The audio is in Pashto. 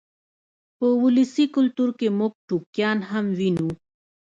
په ولسي کلتور کې موږ ټوکیان هم وینو.